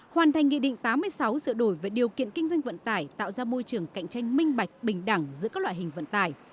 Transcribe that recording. hoàn thành nghị định tám mươi sáu sửa đổi về điều kiện kinh doanh vận tải tạo ra môi trường cạnh tranh minh bạch bình đẳng giữa các loại hình vận tải